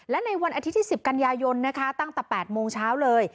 และในวันอาทิตย์ที่๑๐กันยายนนะคะตั้งแต่๘โมงเช้าเลย